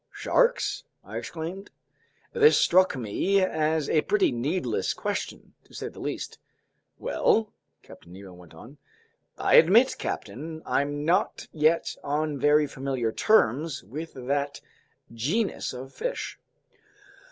"Sharks?" I exclaimed. This struck me as a pretty needless question, to say the least. "Well?" Captain Nemo went on. "I admit, captain, I'm not yet on very familiar terms with that genus of fish."